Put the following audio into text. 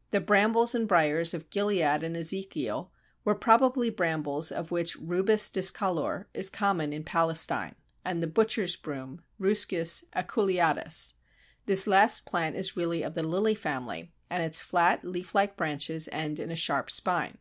" The brambles and briers of Gilead and Ezekiel were probably brambles of which Rubus discolor is common in Palestine, and the Butcher's Broom (Ruscus aculeatus). This last plant is really of the Lily family, and its flat leaf like branches end in a sharp spine.